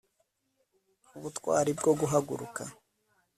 ubutwari bwo guhaguruka